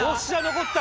残った！